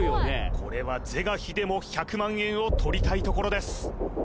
これは是が非でも１００万円をとりたいところです